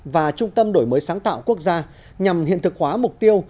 và trung tâm đổi mới sáng tạo quốc gia nhằm hiện thực hóa mục tiêu